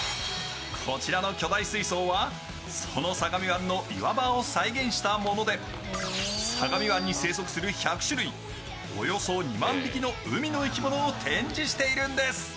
こちらの巨大水槽はその相模湾の岩場を再現したもので相模湾に生息する１００種類、およそ２万匹の海の生き物を展示しているんです。